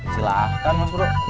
silahkan mas bro